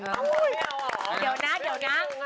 หัวออกแล้วออก